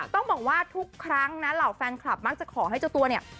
ต้องบอกว่าทุกครั้งนะเหล่าแฟนคลับมักจะขอให้เจ้าตัวเนี่ย